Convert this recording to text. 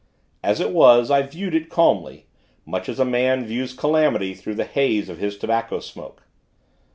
As it was, I viewed it, calmly much as a man views calamity through the haze of his tobacco smoke.